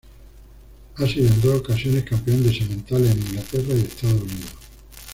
Ha sido en dos ocasiones campeón de sementales en Inglaterra y Estados Unidos.